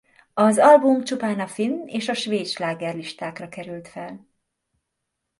Az album csupán a finn és a svéd slágerlistákra került fel.